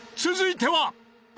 続いては］